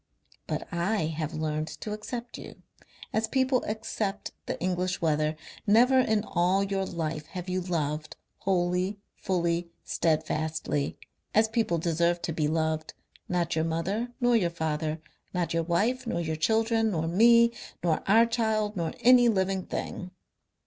But I have learnt to accept you, as people accept the English weather.... Never in all your life have you loved, wholly, fully, steadfastly as people deserve to be loved not your mother nor your father, not your wife nor your children, nor me, nor our child, nor any living thing.